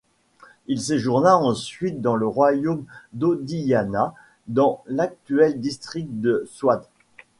Il séjourna ensuite dans le royaume d'Oddiyana dans l'actuel district de Swat.